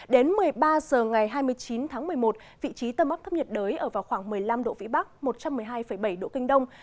đến một mươi ba h ngày hai mươi chín tháng một mươi một vị trí tâm áp thấp nhiệt đới ở vào khoảng một mươi năm độ vĩ bắc một trăm một mươi hai bảy độ kinh đông